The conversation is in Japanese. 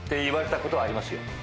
言われたことはありますよ。